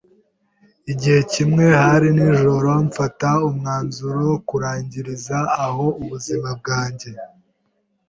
Igihe kimwe hari nijoro, mfata umwanzuro wo kurangiriza aho ubuzima bwanjye,